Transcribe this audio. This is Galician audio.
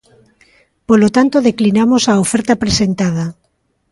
Polo tanto, declinamos a oferta presentada.